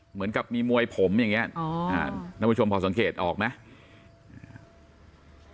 เหมือนกับมีมวยผมอย่างนี้ท่านผู้ชมพอสังเกตออกไหม